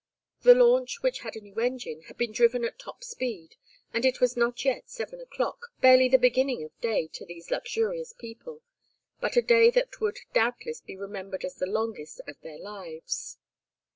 The launch, which had a new engine, had been driven at top speed, and it was not yet seven o'clock, barely the beginning of day to these luxurious people, but a day that would doubtless be remembered as the longest of their lives.